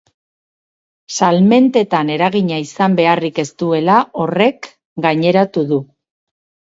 Salmentetan eragina izan beharrik ez duela horrek gaineratu du.